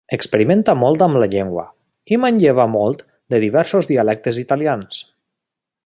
Experimenta molt amb la llengua i manlleva molt de diversos dialectes italians.